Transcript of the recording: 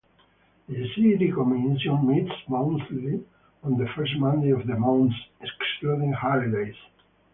The City Commission meets monthly on the first Monday of the month excluding holidays.